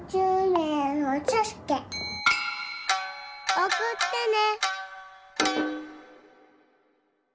おくってね。